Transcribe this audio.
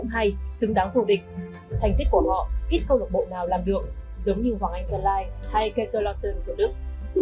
công an hà nội xứng đáng vô địch thành tích của họ ít câu lạc bộ nào làm được giống như hoàng anh sơn lai hay kesselotten của đức